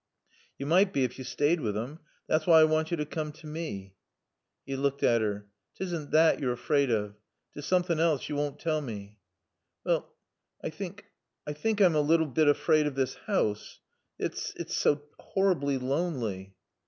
"Yo med bae ef yo staayed with him. Thot's why I want yo t' coom to mae." He looked at her. "'Tisn' thot yo're afraid of. 'Tis soomthin' alse thot yo wawn't tall mae." "Well I think I'm a little bit afraid of this house. It's it's so horribly lonely."